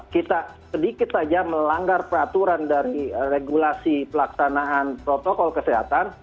kita sedikit saja melanggar peraturan dari regulasi pelaksanaan protokol kesehatan